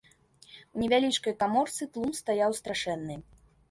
У невялічкай каморцы тлум стаяў страшэнны.